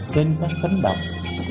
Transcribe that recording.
trên cánh cánh đồng